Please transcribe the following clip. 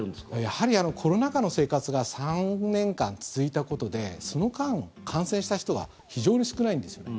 やはり、コロナ禍の生活が３年間続いたことでその間、感染した人は非常に少ないんですよね。